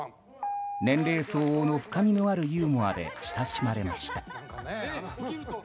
年齢相応の深みのあるユーモアで親しまれました。